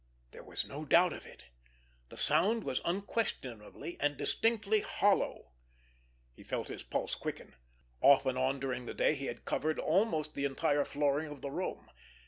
There was no doubt of it! The sound was unquestionably and distinctly hollow. He felt his pulse quicken. Off and on during the day he had covered almost the entire flooring of the room.